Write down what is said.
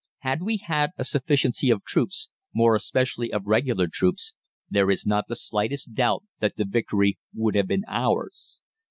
Had we had a sufficiency of troops, more especially of regular troops, there is not the slightest doubt that the victory would have been ours.